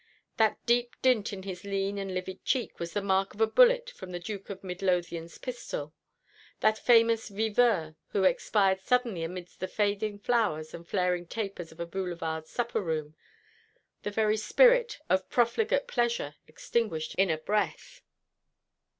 That deep dint in his lean and livid cheek was the mark of a bullet from the Duke of Midlothian's pistol that famous viveur who expired suddenly amidst the fading flowers and flaring tapers of a Boulevard supper room the very spirit of profligate pleasure extinguished in a breath.